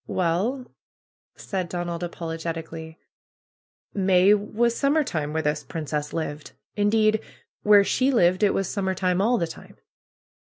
"Well," said Donald, apologetically, "May was sum mer time where this princess lived. Indeed, where she lived it was summer time all the time